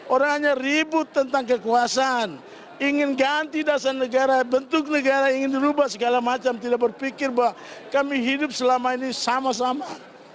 orang hanya ribut tentang kekuasaan ingin ganti dasar negara bentuk negara ingin dirubah segala macam tidak berpikir bahwa kami hidup selama ini sama sama